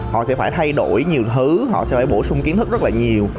họ sẽ phải thay đổi nhiều thứ họ sẽ phải bổ sung kiến thức rất là nhiều